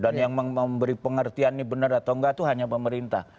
dan yang memberi pengertian ini benar atau nggak itu hanya pemerintah